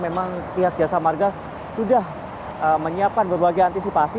memang pihak jasa marga sudah menyiapkan berbagai antisipasi